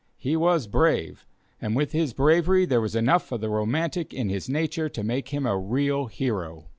He was brave, and with his bravery there was enough of the romantic in his nature to make him a real hero.